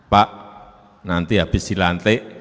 pak nanti habis dilantik